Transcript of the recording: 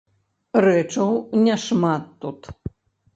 Рэчаў не шмат тут.